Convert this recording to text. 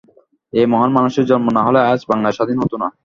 এই মহান মানুষটির জন্ম না হলে আজ বাংলাদেশ স্বাধীন হতো না।